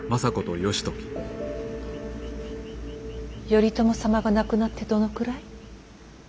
頼朝様が亡くなってどのくらい？